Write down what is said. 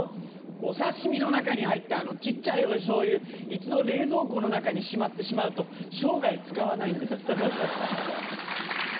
お刺し身の中に入ったあの小っちゃいお醤油一度冷蔵庫の中にしまってしまうと生涯使わないんです。